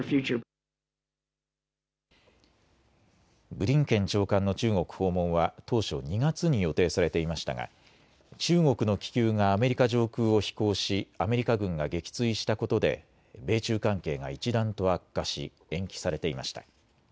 ブリンケン長官の中国訪問は当初、２月に予定されていましたが中国の気球がアメリカ上空を飛行しアメリカ軍が撃墜したことで米中関係が一段と悪化し延期されていました。